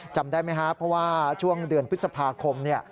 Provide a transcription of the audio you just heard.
จำได้ไหมครับเพราะว่าช่วงเดือนพฤษภาคม